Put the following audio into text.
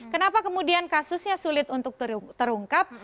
kenapa kemudian kasusnya sulit untuk terungkap